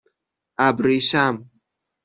اَبریشم